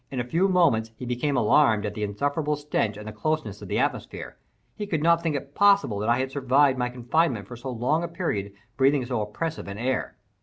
In a few moments he became alarmed at the insufferable stench and the closeness of the atmosphere. He could not think it possible that I had survived my confinement for so long a period breathing so oppressive an air.